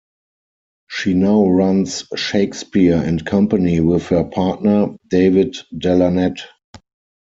She now runs Shakespeare and Company with her partner, David Delannet.